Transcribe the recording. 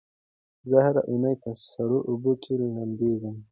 زه هره اونۍ په سړو اوبو کې لمبېږم.